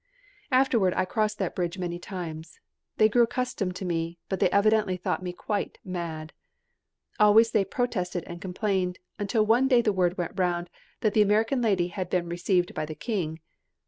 Afterward I crossed that bridge many times. They grew accustomed to me, but they evidently thought me quite mad. Always they protested and complained, until one day the word went round that the American lady had been received by the King.